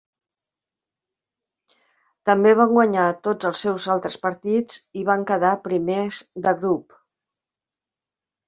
També van guanyar tots els seus altres partits i van quedar primers de grup.